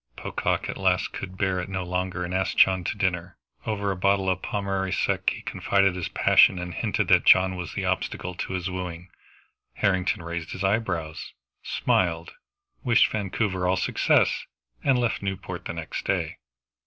Pocock at last could bear it no longer and asked John to dinner. Over a bottle of Pommery Sec he confided his passion, and hinted that John was the obstacle to his wooing. Harrington raised his eyebrows, smiled, wished Vancouver all success, and left Newport the next day.